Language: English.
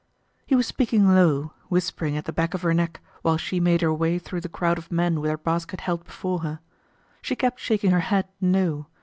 He was speaking low, whispering at the back of her neck while she made her way through the crowd of men with her basket held before her. She kept shaking her head "no."